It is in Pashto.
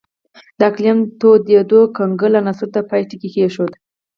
د اقلیم تودېدو د کنګل عصر ته پای ټکی کېښود.